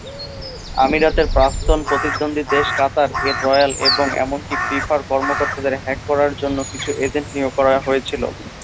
আমিরাতের প্রাক্তন প্রতিদ্বন্দ্বী দেশ কাতার, এর রয়াল এবং এমনকি ফিফার কর্মকর্তাদের হ্যাক করার জন্য কিছু এজেন্ট নিয়োগ করা হয়েছিল।